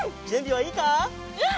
うん！